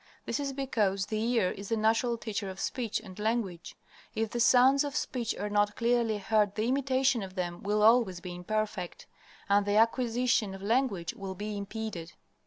This is because the ear is the natural teacher of speech and language. If the sounds of speech are not clearly heard the imitation of them will always be imperfect, and the acquisition of language will be impeded.